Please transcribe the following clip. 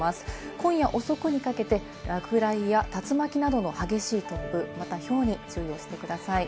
今夜遅くにかけて落雷や竜巻などの激しい突風、またひょうに注意をしてください。